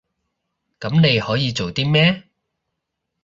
噉你可以做啲咩？